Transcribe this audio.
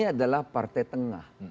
adalah partai tengah